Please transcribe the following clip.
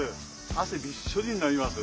あせびっしょりになります。